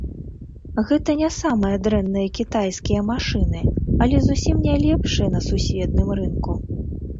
Гэта не самыя дрэнныя кітайскія машыны, але зусім не лепшыя на сусветным рынку.